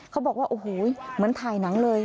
เขาบอกว่าโอ้โหเหมือนถ่ายหนังเลย